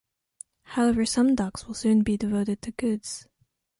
However some docks will soon be devoted to goods.